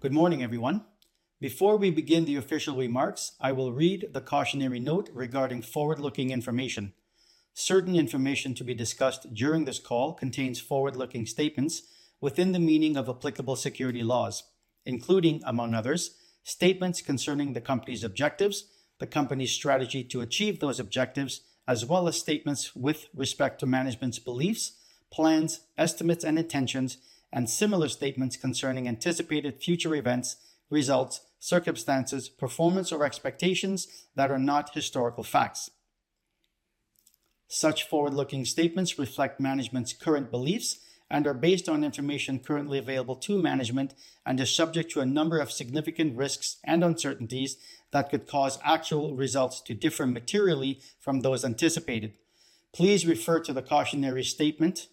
Good morning, everyone. Before we begin the official remarks, I will read the cautionary note regarding forward-looking information. Certain information to be discussed during this call contains forward-looking statements within the meaning of applicable securities laws, including, among others, statements concerning the company's objectives, the company's strategy to achieve those objectives, as well as statements with respect to management's beliefs, plans, estimates, and intentions, and similar statements concerning anticipated future events, results, circumstances, performance, or expectations that are not historical facts. Such forward-looking statements reflect management's current beliefs and are based on information currently available to management and are subject to a number of significant risks and uncertainties that could cause actual results to differ materially from those anticipated. Please refer to the cautionary statement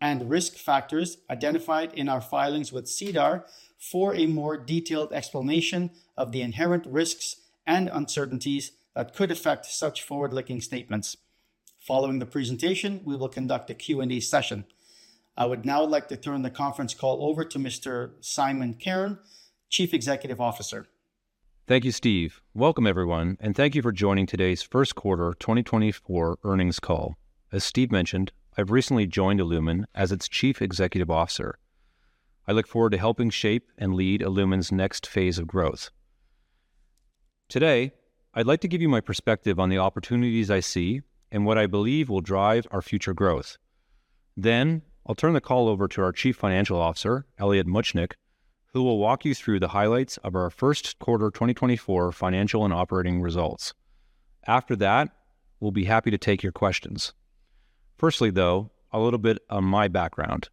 and risk factors identified in our filings with SEDAR for a more detailed explanation of the inherent risks and uncertainties that could affect such forward-looking statements. Following the presentation, we will conduct a Q&A session. I would now like to turn the conference call over to Mr. Simon Cairns, Chief Executive Officer. Thank you, Steve. Welcome, everyone, and thank you for joining today's Q1 2024 earnings call. As Steve mentioned, I've recently joined Illumin as its Chief Executive Officer. I look forward to helping shape and lead Illumin's next phase of growth. Today, I'd like to give you my perspective on the opportunities I see and what I believe will drive our future growth. Then I'll turn the call over to our Chief Financial Officer, Elliot Muchnik, who will walk you through the highlights of our Q1 2024 financial and operating results. After that, we'll be happy to take your questions. Firstly, though, a little bit of my background.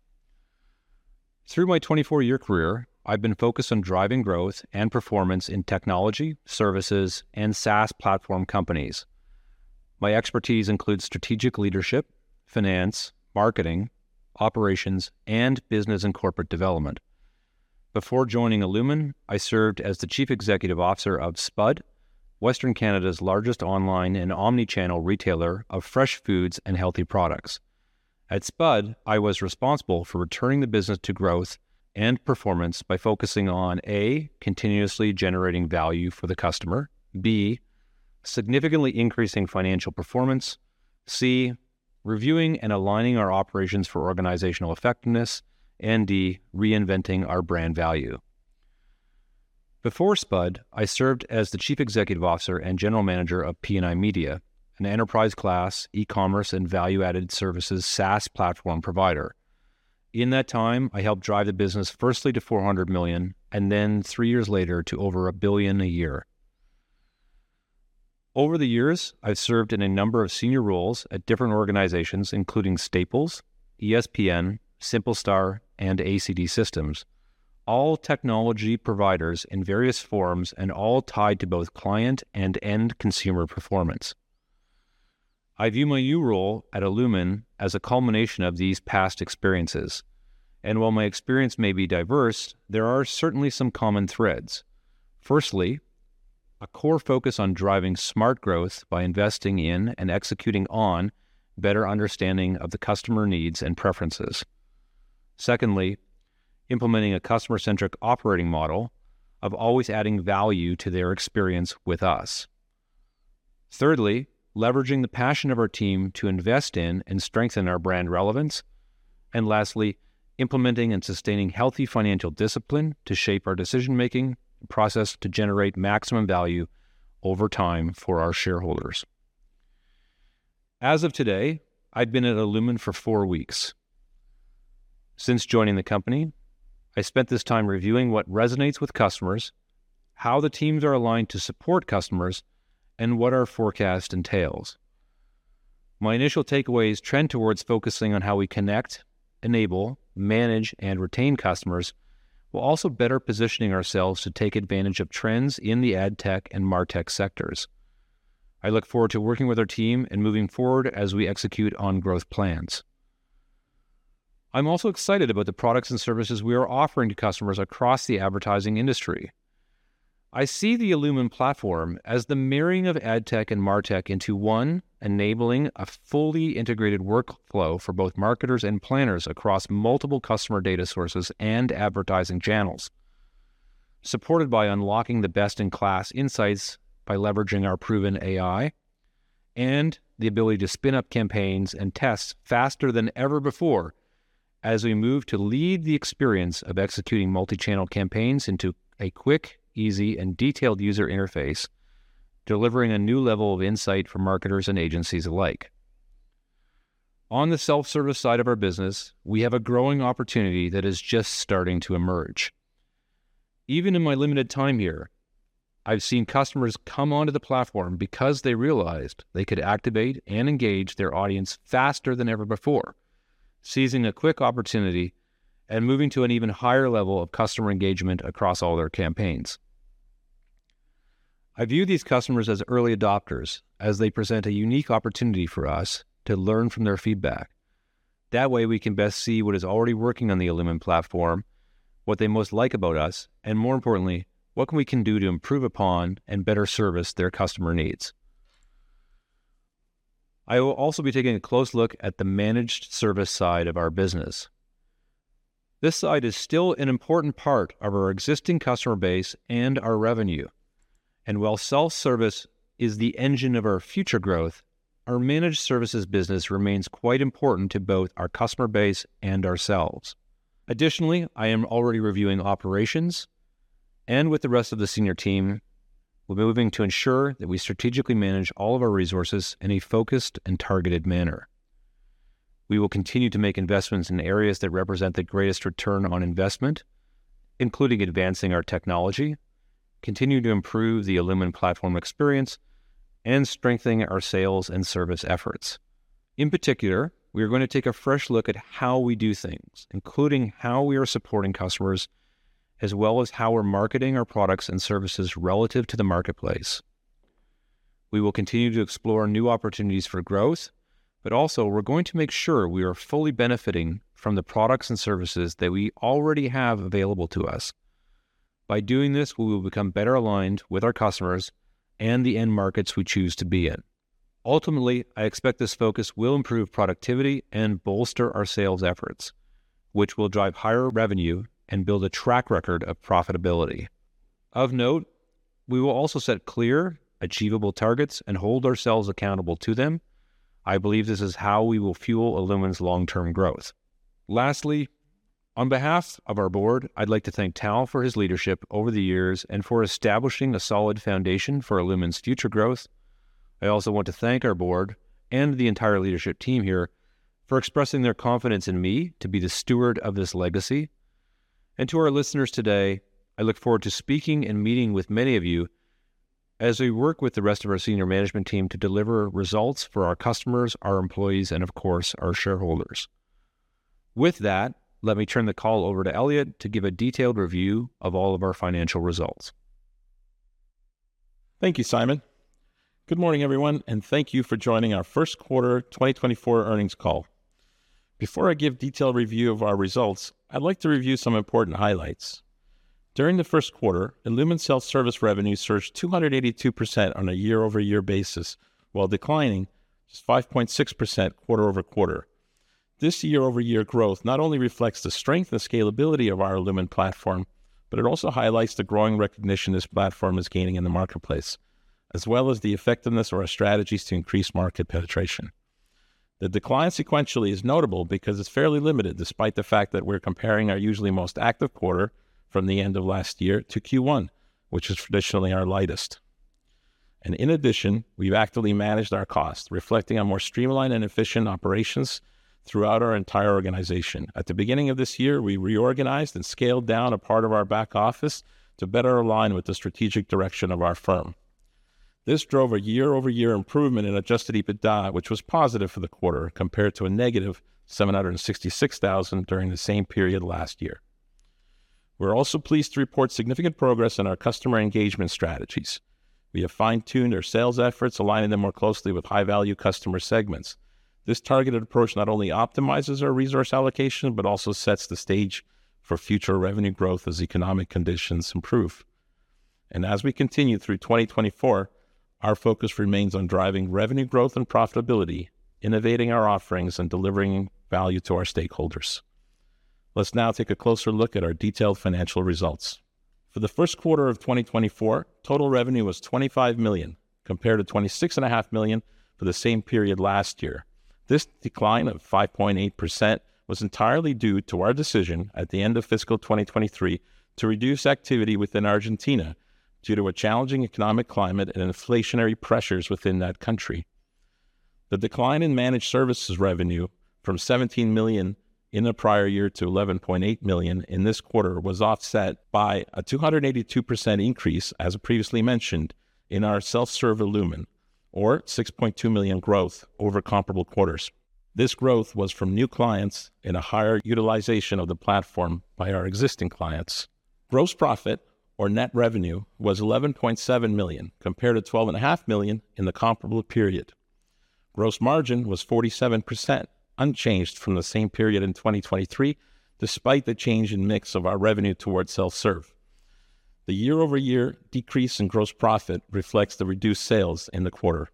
Through my 24-year career, I've been focused on driving growth and performance in technology, services, and SaaS platform companies. My expertise includes strategic leadership, finance, marketing, operations, and business and corporate development. Before joining Illumin, I served as the Chief Executive Officer of SPUD, Western Canada's largest online and omnichannel retailer of fresh foods and healthy products. At SPUD, I was responsible for returning the business to growth and performance by focusing on, A, continuously generating value for the customer, B, significantly increasing financial performance, C, reviewing and aligning our operations for organizational effectiveness, and D, reinventing our brand value. Before SPUD, I served as the Chief Executive Officer and General Manager of PNI Media, an enterprise-class e-commerce and value-added services SaaS platform provider. In that time, I helped drive the business firstly to 400 million and then, three years later, to over 1 billion a year. Over the years, I've served in a number of senior roles at different organizations, including Staples, ESPN, Simple Star, and ACD Systems, all technology providers in various forms and all tied to both client and end consumer performance. I view my new role at Illumin as a culmination of these past experiences, and while my experience may be diverse, there are certainly some common threads. Firstly, a core focus on driving smart growth by investing in and executing on better understanding of the customer needs and preferences. Secondly, implementing a customer-centric operating model of always adding value to their experience with us. Thirdly, leveraging the passion of our team to invest in and strengthen our brand relevance. And lastly, implementing and sustaining healthy financial discipline to shape our decision-making process to generate maximum value over time for our shareholders. As of today, I've been at Illumin for four weeks. Since joining the company, I spent this time reviewing what resonates with customers, how the teams are aligned to support customers, and what our forecast entails. My initial takeaways trend towards focusing on how we connect, enable, manage, and retain customers, while also better positioning ourselves to take advantage of trends in the AdTech and MarTech sectors. I look forward to working with our team and moving forward as we execute on growth plans. I'm also excited about the products and services we are offering to customers across the advertising industry. I see the Illumin platform as the marrying of AdTech and MarTech into one, enabling a fully integrated workflow for both marketers and planners across multiple customer data sources and advertising channels, supported by unlocking the best-in-class insights by leveraging our proven AI and the ability to spin up campaigns and tests faster than ever before as we move to lead the experience of executing multi-channel campaigns into a quick, easy, and detailed user interface, delivering a new level of insight for marketers and agencies alike. On the self-service side of our business, we have a growing opportunity that is just starting to emerge. Even in my limited time here, I've seen customers come onto the platform because they realized they could activate and engage their audience faster than ever before, seizing a quick opportunity and moving to an even higher level of customer engagement across all their campaigns. I view these customers as early adopters as they present a unique opportunity for us to learn from their feedback. That way, we can best see what is already working on the Illumin platform, what they most like about us, and more importantly, what can we do to improve upon and better service their customer needs. I will also be taking a close look at the managed service side of our business. This side is still an important part of our existing customer base and our revenue, and while self-service is the engine of our future growth, our managed services business remains quite important to both our customer base and ourselves. Additionally, I am already reviewing operations, and with the rest of the senior team, we're moving to ensure that we strategically manage all of our resources in a focused and targeted manner. We will continue to make investments in areas that represent the greatest return on investment, including advancing our technology, continuing to improve the Illumin platform experience, and strengthening our sales and service efforts. In particular, we are going to take a fresh look at how we do things, including how we are supporting customers, as well as how we're marketing our products and services relative to the marketplace. We will continue to explore new opportunities for growth, but also we're going to make sure we are fully benefiting from the products and services that we already have available to us. By doing this, we will become better aligned with our customers and the end markets we choose to be in. Ultimately, I expect this focus will improve productivity and bolster our sales efforts, which will drive higher revenue and build a track record of profitability. Of note, we will also set clear, achievable targets and hold ourselves accountable to them. I believe this is how we will fuel Illumin's long-term growth. Lastly, on behalf of our board, I'd like to thank Tal for his leadership over the years and for establishing a solid foundation for Illumin's future growth. I also want to thank our board and the entire leadership team here for expressing their confidence in me to be the steward of this legacy. And to our listeners today, I look forward to speaking and meeting with many of you as we work with the rest of our senior management team to deliver results for our customers, our employees, and of course, our shareholders. With that, let me turn the call over to Elliot to give a detailed review of all of our financial results. Thank you, Simon. Good morning, everyone, and thank you for joining our Q1 2024 earnings call. Before I give a detailed review of our results, I'd like to review some important highlights. During the Q1, Illumin self-service revenue surged 282% on a year-over-year basis, while declining just 5.6% quarter-over-quarter. This year-over-year growth not only reflects the strength and scalability of our Illumin platform, but it also highlights the growing recognition this platform is gaining in the marketplace, as well as the effectiveness of our strategies to increase market penetration. The decline sequentially is notable because it's fairly limited despite the fact that we're comparing our usually most active quarter from the end of last year to Q1, which is traditionally our lightest. In addition, we've actively managed our costs, reflecting on more streamlined and efficient operations throughout our entire organization. At the beginning of this year, we reorganized and scaled down a part of our back office to better align with the strategic direction of our firm. This drove a year-over-year improvement in adjusted EBITDA, which was positive for the quarter compared to a negative 766,000 during the same period last year. We're also pleased to report significant progress in our customer engagement strategies. We have fine-tuned our sales efforts, aligning them more closely with high-value customer segments. This targeted approach not only optimizes our resource allocation, but also sets the stage for future revenue growth as economic conditions improve. And as we continue through 2024, our focus remains on driving revenue growth and profitability, innovating our offerings, and delivering value to our stakeholders. Let's now take a closer look at our detailed financial results. For the Q1 of 2024, total revenue was 25 million compared to 26.5 million for the same period last year. This decline of 5.8% was entirely due to our decision at the end of fiscal 2023 to reduce activity within Argentina due to a challenging economic climate and inflationary pressures within that country. The decline in managed services revenue from 17 million in the prior year to 11.8 million in this quarter was offset by a 282% increase, as previously mentioned, in our self-serve Illumin, or 6.2 million growth over comparable quarters. This growth was from new clients and a higher utilization of the platform by our existing clients. Gross profit, or net revenue, was 11.7 million compared to 12.5 million in the comparable period. Gross margin was 47%, unchanged from the same period in 2023, despite the change in mix of our revenue towards self-serve. The year-over-year decrease in gross profit reflects the reduced sales in the quarter.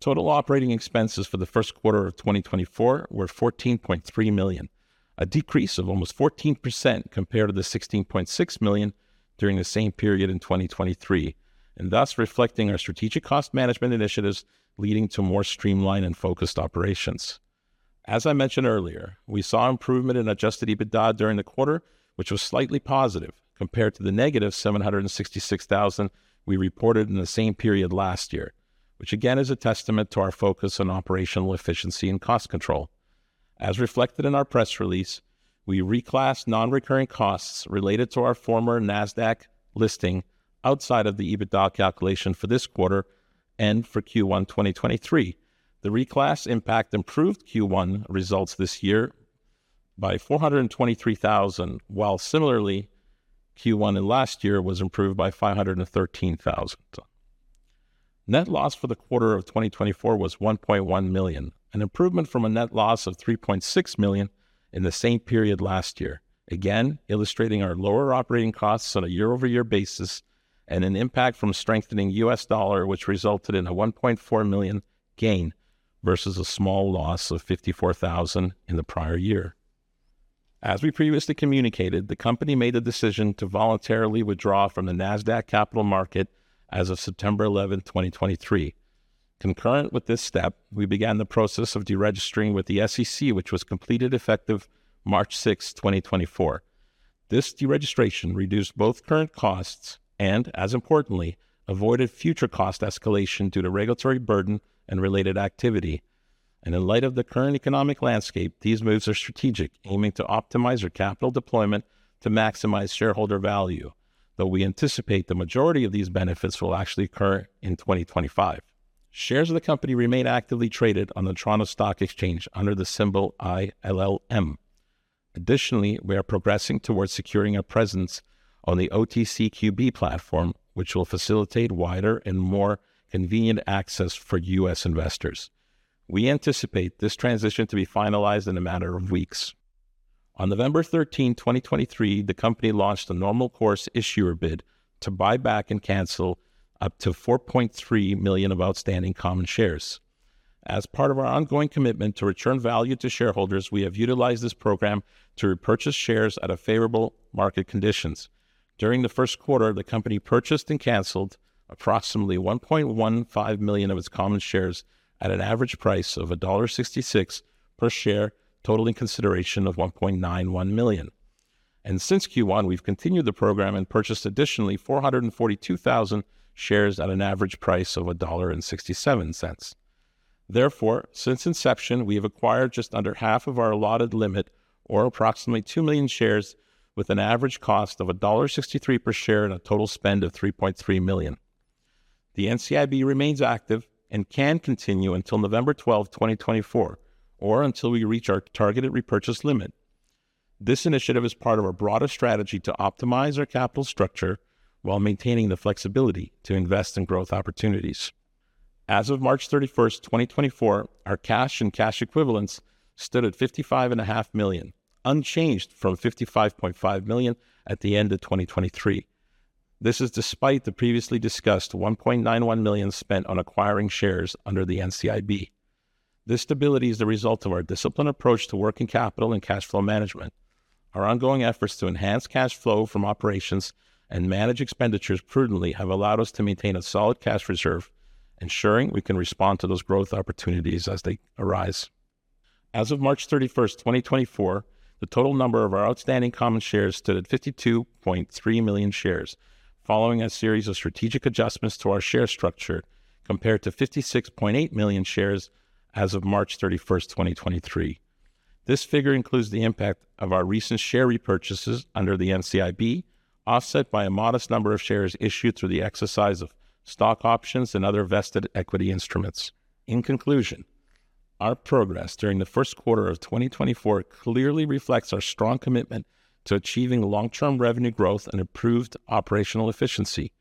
Total operating expenses for the Q1 of 2024 were 14.3 million, a decrease of almost 14% compared to the 16.6 million during the same period in 2023, and thus reflecting our strategic cost management initiatives leading to more streamlined and focused operations. As I mentioned earlier, we saw improvement in adjusted EBITDA during the quarter, which was slightly positive compared to the negative 766,000 we reported in the same period last year, which again is a testament to our focus on operational efficiency and cost control. As reflected in our press release, we reclassed non-recurring costs related to our former Nasdaq listing outside of the EBITDA calculation for this quarter and for Q1 2023. The reclass impact improved Q1 results this year by 423,000, while similarly, Q1 in last year was improved by 513,000. Net loss for the quarter of 2024 was 1.1 million, an improvement from a net loss of 3.6 million in the same period last year, again illustrating our lower operating costs on a year-over-year basis and an impact from strengthening US dollar, which resulted in a 1.4 million gain versus a small loss of 54,000 in the prior year. As we previously communicated, the company made the decision to voluntarily withdraw from the Nasdaq Capital Market as of 11 September 2023. Concurrent with this step, we began the process of deregistering with the SEC, which was completed effective 6 March 2024. This deregistration reduced both current costs and, as importantly, avoided future cost escalation due to regulatory burden and related activity. In light of the current economic landscape, these moves are strategic, aiming to optimize our capital deployment to maximize shareholder value, though we anticipate the majority of these benefits will actually occur in 2025. Shares of the company remain actively traded on the Toronto Stock Exchange under the symbol ILLM. Additionally, we are progressing towards securing our presence on the OTCQB platform, which will facilitate wider and more convenient access for U.S. investors. We anticipate this transition to be finalized in a matter of weeks. On 13 November 2023, the company launched a normal course issuer bid to buy back and cancel up to 4.3 million of outstanding common shares. As part of our ongoing commitment to return value to shareholders, we have utilized this program to repurchase shares at favorable market conditions. During the Q1, the company purchased and canceled approximately 1.15 million of its common shares at an average price of dollar 1.66 per share, totaling consideration of 1.91 million. Since Q1, we've continued the program and purchased additionally 442,000 shares at an average price of 1.67 dollar. Therefore, since inception, we have acquired just under half of our allotted limit, or approximately two million shares, with an average cost of dollar 1.63 per share and a total spend of 3.3 million. The NCIB remains active and can continue until 12 November 2024, or until we reach our targeted repurchase limit. This initiative is part of our broader strategy to optimize our capital structure while maintaining the flexibility to invest in growth opportunities. As of 31 March 2024, our cash and cash equivalents stood at 55.5 million, unchanged from 55.5 million at the end of 2023. This is despite the previously discussed 1.91 million spent on acquiring shares under the NCIB. This stability is the result of our disciplined approach to working capital and cash flow management. Our ongoing efforts to enhance cash flow from operations and manage expenditures prudently have allowed us to maintain a solid cash reserve, ensuring we can respond to those growth opportunities as they arise. As of 31 March 2024, the total number of our outstanding common shares stood at 52.3 million shares, following a series of strategic adjustments to our share structure compared to 56.8 million shares as of 31 March 2023. This figure includes the impact of our recent share repurchases under the NCIB, offset by a modest number of shares issued through the exercise of stock options and other vested equity instruments. In conclusion, our progress during the Q1 of 2024 clearly reflects our strong commitment to achieving long-term revenue growth and improved operational efficiency.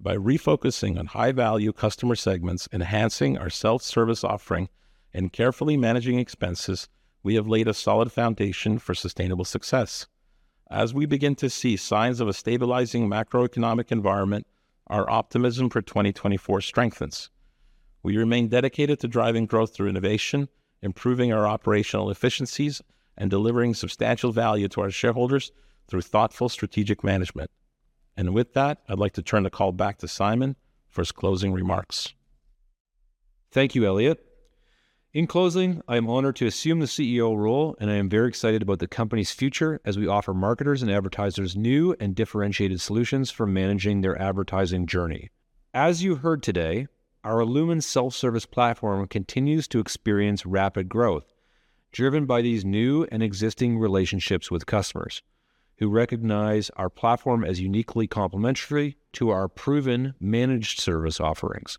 By refocusing on high-value customer segments, enhancing our self-service offering, and carefully managing expenses, we have laid a solid foundation for sustainable success. As we begin to see signs of a stabilizing macroeconomic environment, our optimism for 2024 strengthens. We remain dedicated to driving growth through innovation, improving our operational efficiencies, and delivering substantial value to our shareholders through thoughtful strategic management. With that, I'd like to turn the call back to Simon for his closing remarks. Thank you, Elliot. In closing, I am honored to assume the CEO role, and I am very excited about the company's future as we offer marketers and advertisers new and differentiated solutions for managing their advertising journey. As you heard today, our Illumin self-service platform continues to experience rapid growth driven by these new and existing relationships with customers who recognize our platform as uniquely complementary to our proven managed service offerings.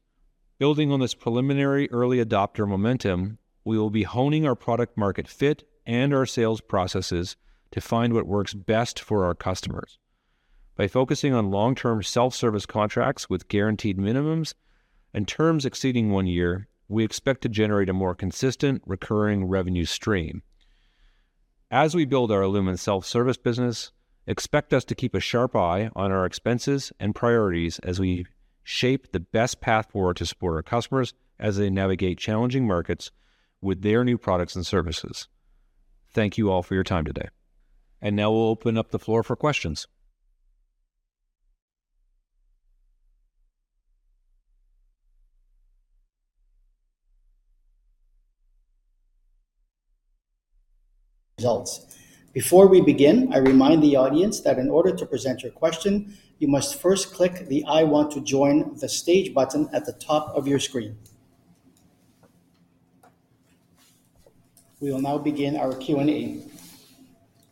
Building on this preliminary early adopter momentum, we will be honing our product market fit and our sales processes to find what works best for our customers. By focusing on long-term self-service contracts with guaranteed minimums and terms exceeding one year, we expect to generate a more consistent recurring revenue stream. As we build our Illumin self-service business, expect us to keep a sharp eye on our expenses and priorities as we shape the best path forward to support our customers as they navigate challenging markets with their new products and services. Thank you all for your time today. Now we'll open up the floor for questions. Results. Before we begin, I remind the audience that in order to present your question, you must first click the "I want to join the stage" button at the top of your screen. We will now begin our Q&A.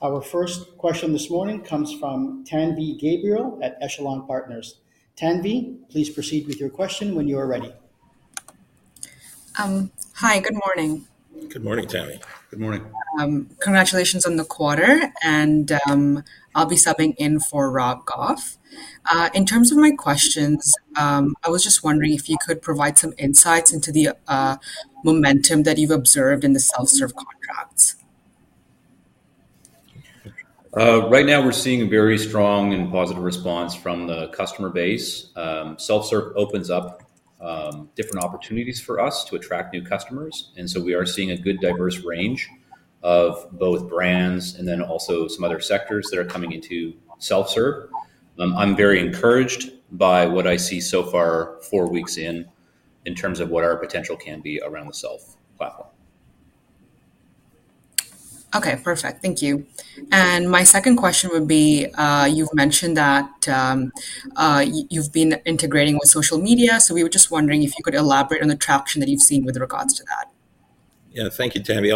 Our first question this morning comes from Tanvi Gabriel at Echelon Wealth Partners. Tanvi, please proceed with your question when you are ready. Hi. Good morning. Good morning, Tanvi. Good morning. Congratulations on the quarter, and I'll be subbing in for Rob Goff. In terms of my questions, I was just wondering if you could provide some insights into the momentum that you've observed in the self-serve contracts. Right now, we're seeing a very strong and positive response from the customer base. Self-serve opens up different opportunities for us to attract new customers, and so we are seeing a good diverse range of both brands and then also some other sectors that are coming into self-serve. I'm very encouraged by what I see so far four weeks in in terms of what our potential can be around the self platform. Okay. Perfect. Thank you. And my second question would be, you've mentioned that you've been integrating with social media, so we were just wondering if you could elaborate on the traction that you've seen with regards to that. Yeah. Thank you, Tanvi.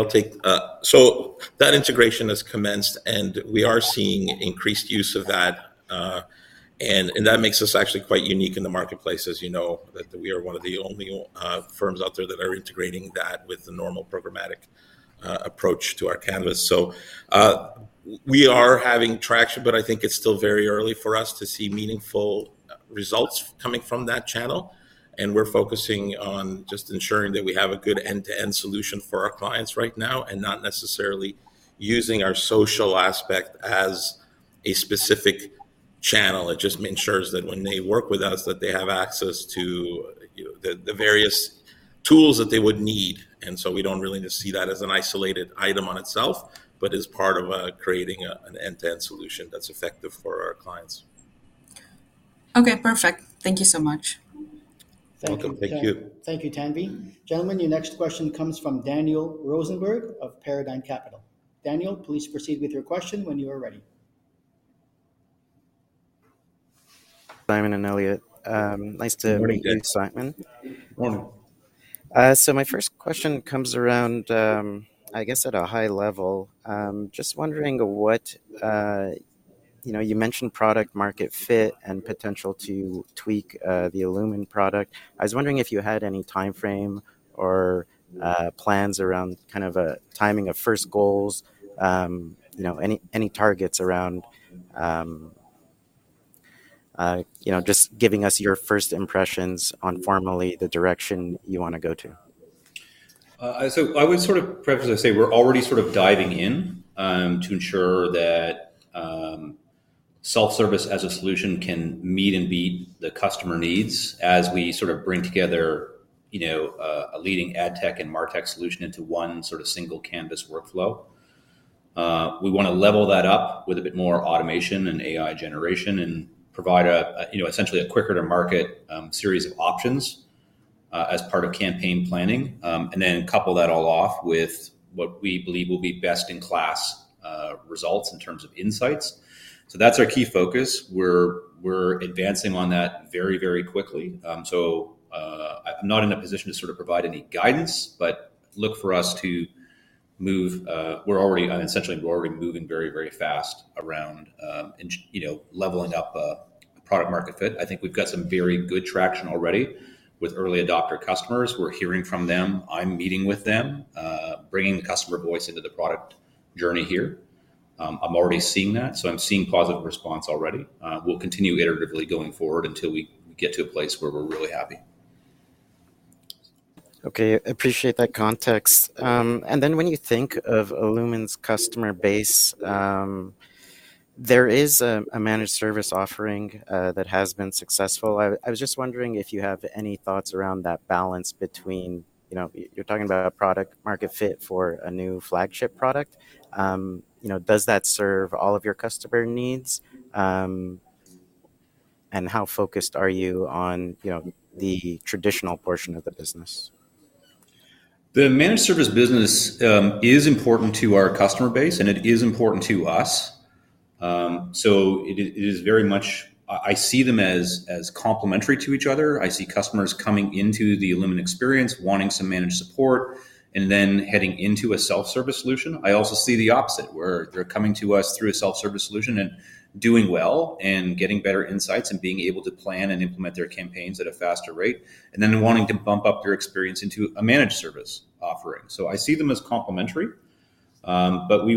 So that integration has commenced, and we are seeing increased use of that, and that makes us actually quite unique in the marketplace, as you know, that we are one of the only firms out there that are integrating that with the normal programmatic approach to our Canvas. So we are having traction, but I think it's still very early for us to see meaningful results coming from that channel, and we're focusing on just ensuring that we have a good end-to-end solution for our clients right now and not necessarily using our social aspect as a specific channel. It just ensures that when they work with us, that they have access to the various tools that they would need. And so we don't really see that as an isolated item on itself, but as part of creating an end-to-end solution that's effective for our clients. Okay. Perfect. Thank you so much. Thank you. Welcome. Thank you. Thank you, Tanvi. Gentlemen, your next question comes from Daniel Rosenberg of Paradigm Capital. Daniel, please proceed with your question when you are ready. Simon and Elliot. Nice to. Good morning. Meet you, Simon. Good morning. So my first question comes around, I guess, at a high level. Just wondering what you mentioned product market fit and potential to tweak the Illumin product. I was wondering if you had any timeframe or plans around kind of timing of first goals, any targets around just giving us your first impressions on formally the direction you want to go to. So I would sort of preface by saying we're already sort of diving in to ensure that self-service as a solution can meet and beat the customer needs as we sort of bring together a leading AdTech and MarTech solution into one sort of single canvas workflow. We want to level that up with a bit more automation and AI generation and provide essentially a quicker-to-market series of options as part of campaign planning and then couple that all off with what we believe will be best-in-class results in terms of insights. So that's our key focus. We're advancing on that very, very quickly. So I'm not in a position to sort of provide any guidance, but look for us to move essentially, we're already moving very, very fast around leveling up product market fit. I think we've got some very good traction already with early adopter customers. We're hearing from them. I'm meeting with them, bringing the customer voice into the product journey here. I'm already seeing that, so I'm seeing positive response already. We'll continue iteratively going forward until we get to a place where we're really happy. Okay. Appreciate that context. And then when you think of Illumin's customer base, there is a managed service offering that has been successful. I was just wondering if you have any thoughts around that balance between you're talking about product market fit for a new flagship product. Does that serve all of your customer needs? And how focused are you on the traditional portion of the business? The managed service business is important to our customer base, and it is important to us. So it is very much I see them as complementary to each other. I see customers coming into the Illumin experience, wanting some managed support, and then heading into a self-service solution. I also see the opposite, where they're coming to us through a self-service solution and doing well and getting better insights and being able to plan and implement their campaigns at a faster rate, and then wanting to bump up their experience into a managed service offering. So I see them as complementary. But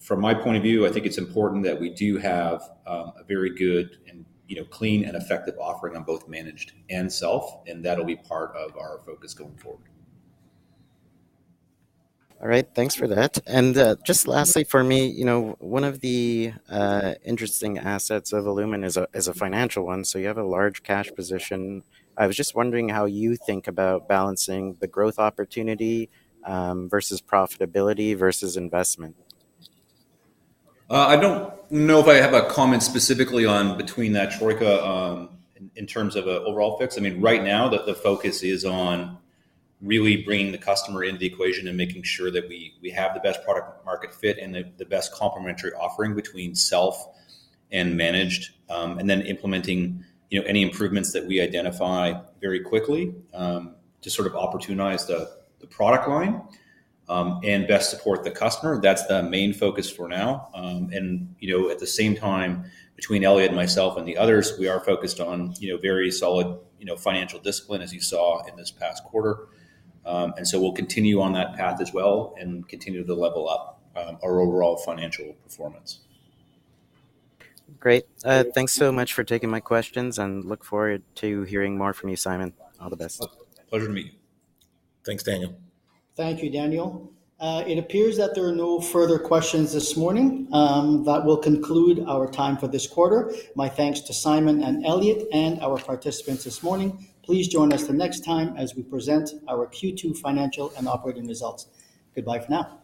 from my point of view, I think it's important that we do have a very good and clean and effective offering on both managed and self, and that'll be part of our focus going forward. All right. Thanks for that. And just lastly for me, one of the interesting assets of Illumin is a financial one. So you have a large cash position. I was just wondering how you think about balancing the growth opportunity versus profitability versus investment? I don't know if I have a comment specifically on between that troika in terms of an overall fix. I mean, right now, the focus is on really bringing the customer into the equation and making sure that we have the best product market fit and the best complementary offering between self and managed, and then implementing any improvements that we identify very quickly to sort of opportunize the product line and best support the customer. That's the main focus for now. And at the same time, between Elliot and myself and the others, we are focused on very solid financial discipline, as you saw in this past quarter. And so we'll continue on that path as well and continue to level up our overall financial performance. Great. Thanks so much for taking my questions, and look forward to hearing more from you, Simon. All the best. Pleasure to meet you. Thanks, Daniel. Thank you, Daniel. It appears that there are no further questions this morning. That will conclude our time for this quarter. My thanks to Simon and Elliot and our participants this morning. Please join us the next time as we present our Q2 financial and operating results. Goodbye for now.